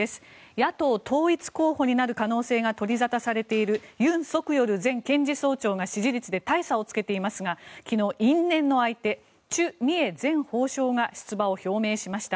野党統一候補になる可能性が取り沙汰されているユン・ソクヨル前検事総長が支持率で大差をつけていますが昨日因縁の相手チュ・ミエ前法相が出馬を表明しました。